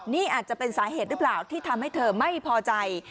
นี่อาจจะเป็นสาเหตุหรือเปล่าที่ทำให้เธอไม่พอใจ